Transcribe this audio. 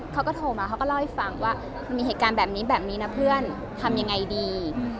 เขาก็โทรมาเขาก็เล่าให้ฟังว่ามันมีเหตุการณ์แบบนี้แบบนี้นะเพื่อนทำยังไงดี